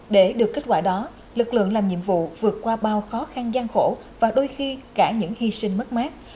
để được kết quả đó lực lượng làm nhiệm vụ vượt qua bao khó khăn gian khổ và đôi khi cả những hy sinh mất mát